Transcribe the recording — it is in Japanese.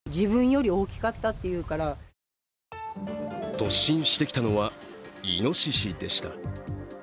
突進してきたのは、いのししでした。